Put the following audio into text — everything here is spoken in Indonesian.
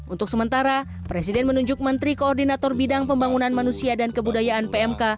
untuk sementara presiden menunjuk menteri koordinator bidang pembangunan manusia dan kebudayaan pmk